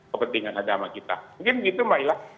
kepentingan ada sama kita mungkin begitu mbak ilah